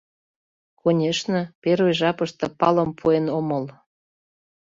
Конешне, первый жапыште палым пуэн омыл.